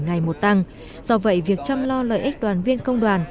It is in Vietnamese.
ngày một tăng do vậy việc chăm lo lợi ích đoàn viên công đoàn